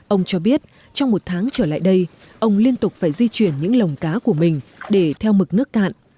ông cho biết trong một tháng trở lại đây ông liên tục phải di chuyển những lồng cá của mình để theo mực nước cạn